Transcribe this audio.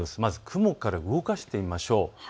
雲から動かしてみましょう。